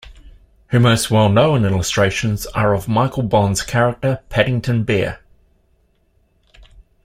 Her most well-known illustrations are of Michael Bond's character, Paddington Bear.